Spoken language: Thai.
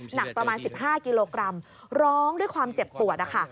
หนักประมาณ๑๕กิโลกรัมร้องด้วยความเจ็บปวดนะคะ